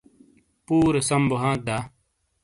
پُورے سَم بو ھانت دا؟